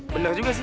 bener juga sih